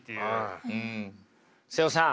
妹尾さん。